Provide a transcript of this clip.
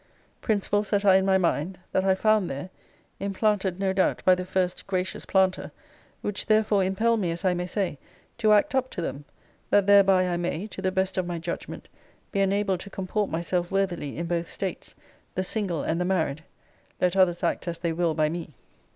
Principles that are in my mind; that I found there; implanted, no doubt, by the first gracious Planter: which therefore impel me, as I may say, to act up to them, that thereby I may, to the best of my judgment, be enabled to comport myself worthily in both states, (the single and the married), let others act as they will by me.